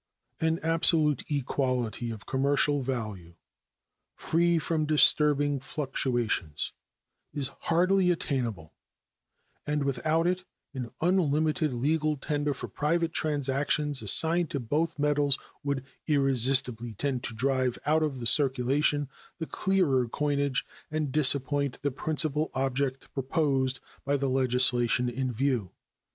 An absolute equality of commercial value, free from disturbing fluctuations, is hardly attainable, and without it an unlimited legal tender for private transactions assigned to both metals would irresistibly tend to drive out of circulation the clearer coinage and disappoint the principal object proposed by the legislation in view.